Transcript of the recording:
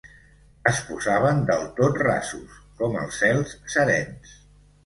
Es posaven del tot rasos, com els cels serens.